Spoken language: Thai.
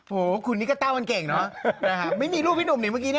โหคุณนี้ก็เต้ากันเก่งเนอะ